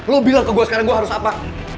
lo bilang ke gue sekarang gue harus apa